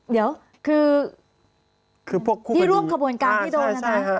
เดี๋ยวคือพวกที่ร่วมขบวนการที่โดนนะนะ